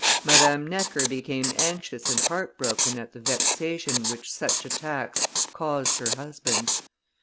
Madame Necker became anxious and heartbroken at the vexation which such attacks caused her husband.